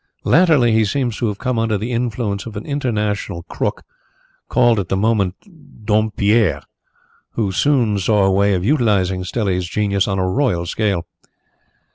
Latterly he seems to have come under the influence of an international crook called at the moment Dompierre, who soon saw a way of utilizing Stelli's genius on a royal scale.